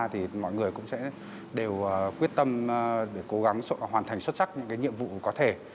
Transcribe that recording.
thì mọi người cũng sẽ đều quyết tâm để cố gắng hoàn thành xuất sắc những nhiệm vụ có thể